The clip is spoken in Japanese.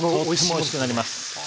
おいしくなります。